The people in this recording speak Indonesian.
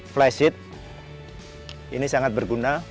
flysheet ini sangat berguna